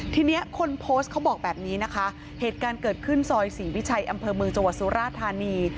ทีนี้คนโพสต์เขาบอกแบบนี้นะคะเหตุการณ์เกิดขึ้นซอยศรีวิชัยอำเภอเมืองจังหวัดสุราธานี